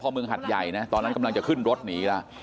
เมืองหัดใหญ่นะตอนนั้นกำลังจะขึ้นรถหนีแล้ว